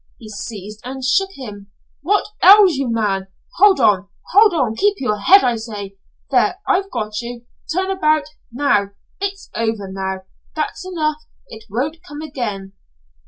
He seized and shook him. "What ails you, man? Hold on. Hold on. Keep your head, I say. There! I've got you. Turn about. Now! It's over now. That's enough. It won't come again."